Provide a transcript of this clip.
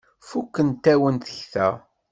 Fukent-awen tekta.